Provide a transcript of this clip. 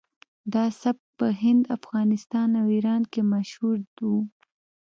دا سبک په هند افغانستان او ایران کې مشهور و